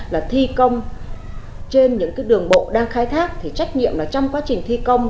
là thi công trên những cái đường bộ đang khai thác thì trách nhiệm là trong quá trình thi công